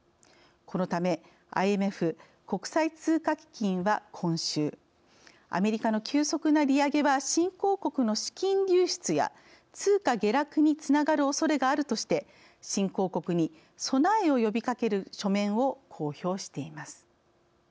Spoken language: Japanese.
このためＩＭＦ＝国際通貨基金は今週アメリカの急速な利上げは新興国の資金流出や通貨下落につながるおそれがあるとして新興国に備えを呼びかける書面を公表しています。